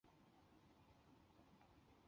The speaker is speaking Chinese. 这项工程由中国承建。